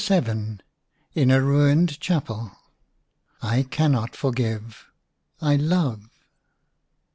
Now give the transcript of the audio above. London. IN A RUINED CHAPEL. "I cannot forgive — I love."